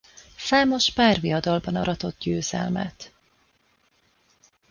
Számos párviadalban aratott győzelmet.